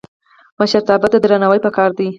مشرتابه ته درناوی پکار دی